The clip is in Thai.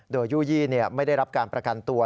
โดยยู่ยี่ไม่ได้รับการประกันตัว